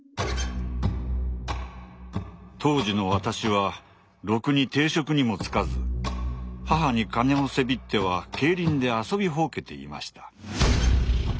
当時の私はろくに定職にも就かず母に金をせびっては競輪で遊びほうけていました。